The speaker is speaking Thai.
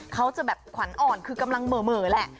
เขาจะแบบขวัญอ่อนคือกำลังเหม่อแหละ